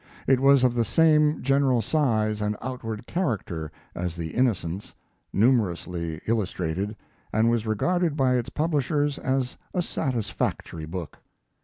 It was of the same general size and outward character as the Innocents, numerously illustrated, and was regarded by its publishers as a satisfactory book.